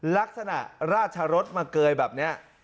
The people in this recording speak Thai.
ลักษณะราชรสมาเกยแบบนี้